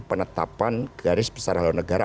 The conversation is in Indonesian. penetapan garis besar haluan negara